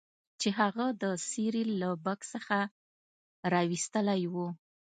چې هغه د سیریل له بکس څخه راویستلی و